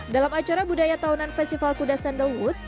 dalam acara budaya tahunan festival kuda sandalwood